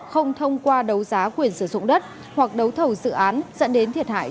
không thông qua đấu giá quyền sử dụng đất hoặc đấu thầu dự án dẫn đến thiệt hại